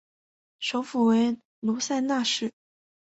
首府为卢塞纳市。